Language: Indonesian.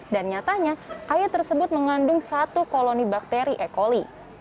dan nyatanya air tersebut mengandung satu koloni bakteri e coli